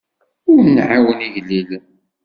Ur nɛawen igellilen.